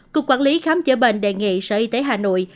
cục quản lý khám chữa bệnh đề nghị sở y tế hà nội